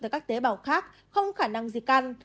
tới các tế bảo khác không có khả năng di căn